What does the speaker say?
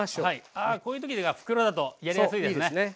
あこういう時袋だとやりやすいですね。